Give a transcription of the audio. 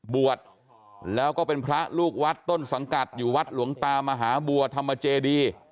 บวชแล้วก็เป็นพระลูกวัดต้นสังกัดอยู่วัดหลวงตามหาบัวธรรมเจดี